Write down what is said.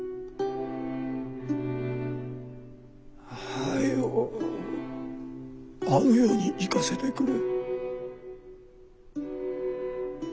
早うあの世に行かせてくれ。